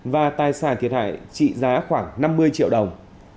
và tài sản thiệt hại trị giá khoảng năm mươi triệu đồng